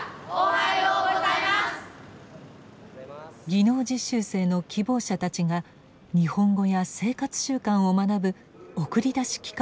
技能実習生の希望者たちが日本語や生活習慣を学ぶ送り出し機関です。